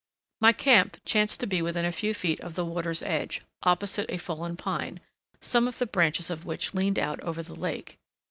My camp chanced to be within a few feet of the water's edge, opposite a fallen pine, some of the branches of which leaned out over the lake.